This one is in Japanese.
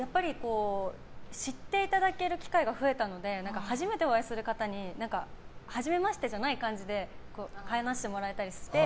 知っていただける機会が増えたので初めてお会いする方にはじめましてじゃない感じで話してもらえたりして。